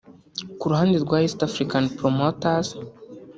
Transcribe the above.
Ku ruhande rwa East African Promoters